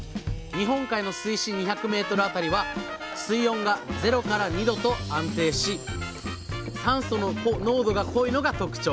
日本海の水深２００メートル辺りは水温が０２度と安定し酸素の濃度が濃いのが特徴。